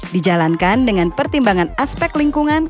dijalankan dengan pertimbangan aspek lingkungan